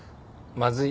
まずい。